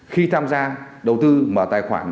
khi tham gia đầu tư mở tài khoản